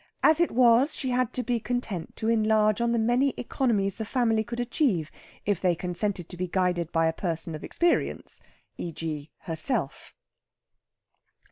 As it was, she had to be content to enlarge on the many economies the family could achieve if they consented to be guided by a person of experience e.g., herself.